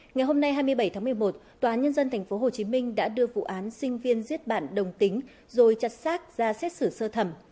ngày hôm nay hai mươi bảy tháng một mươi một tòa nhân dân tp hcm đã đưa vụ án sinh viên giết bản đồng tính rồi chặt xác ra xét xử sơ thẩm